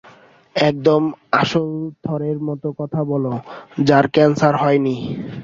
একদম আসল থরের মতো কথা বলছ, যার ক্যান্সার হয়নি।